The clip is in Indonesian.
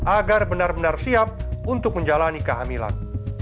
agar benar benar siap untuk menjalani kehamilan